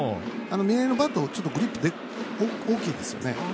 嶺井のバットちょっとグリップが大きいですよね。